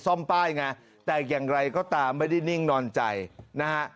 ซ่อมป้ายไงแต่อย่างไรก็ตามไม่ได้นิ่งนอนใจนะฮะ